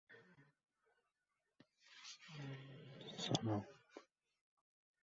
Yettinchi lampani xontax- taga qo‘yib ko‘k qiyiqchaga gul bosa boshladi.